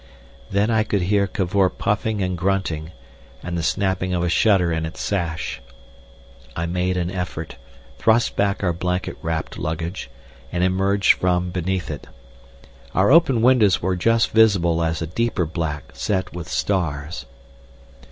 Then I could hear Cavor puffing and grunting, and the snapping of a shutter in its sash. I made an effort, thrust back our blanket wrapped luggage, and emerged from beneath it. Our open windows were just visible as a deeper black set with stars.